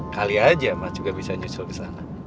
kali aja mas juga bisa nyusul kesana